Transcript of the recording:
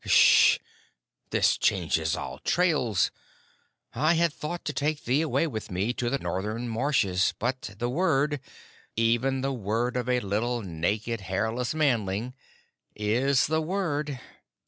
"Ngssh! This changes all trails. I had thought to take thee away with me to the northern marshes, but the Word even the Word of a little, naked, hairless manling is the Word.